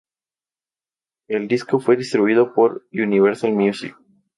El disco fue distribuido por Universal Music.